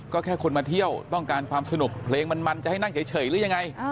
ก็แค่คนมาเที่ยวต้องการความสนุกเพลงมันจะให้นั่งเฉยหรือยังไง